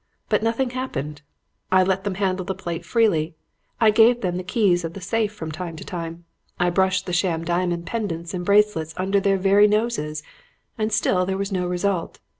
But nothing happened. I let them handle the plate freely, I gave them the key of the safe from time to time, I brushed the sham diamond pendants and bracelets under their very noses, and still there was no result.